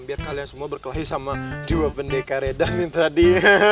biar kalian semua berkelahi sama jiwa bendeka redan yang tadi